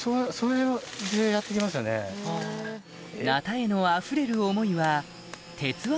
鉈へのあふれる思いは『鉄腕！